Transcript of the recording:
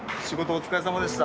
お疲れさまでした。